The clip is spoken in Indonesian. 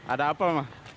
ada apa pak